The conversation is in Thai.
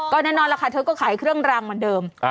แน่นอนล่ะค่ะเธอก็ขายเครื่องรางเหมือนเดิม